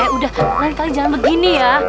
nanti kalian jangan begini ya